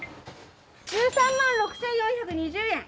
１３万６４２０円！